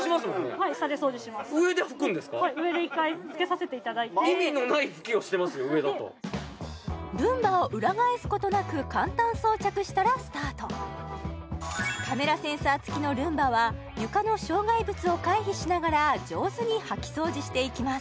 はい上で１回つけさせていただいてルンバを裏返すことなく簡単装着したらスタートカメラセンサーつきのルンバは床の障害物を回避しながら上手に掃き掃除していきます